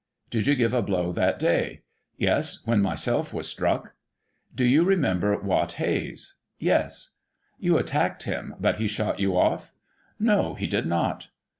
Did you give a blow that day? — Yes, when myself was struck. Do you remember Wat Hayes ?;— Yes. You attacked him, but he shot you off? — No, he did not.